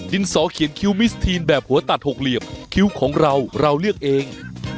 ดินสเขียนคิ้วแบบหัวตัดหกเหลี่ยมคิ้วของเราเราเรียกเอง